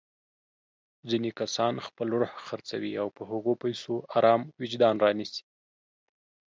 ځيني کسان خپل روح خرڅوي او په هغو پيسو ارام وجدان رانيسي.